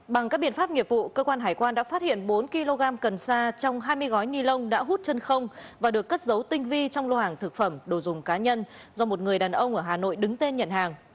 bằng các biện pháp nghiệp vụ cơ quan hải quan đã phát hiện bốn kg cần sa trong hai mươi gói ni lông đã hút chân không và được cất dấu tinh vi trong lô hàng thực phẩm đồ dùng cá nhân do một người đàn ông ở hà nội đứng tên nhận hàng